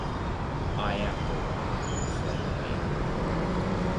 “I am the one” said Halley.